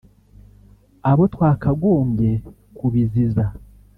Abo twakagombye kubiziza